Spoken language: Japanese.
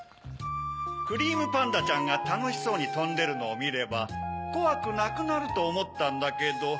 クリームパンダちゃんがたのしそうにとんでるのをみればこわくなくなるとおもったんだけど。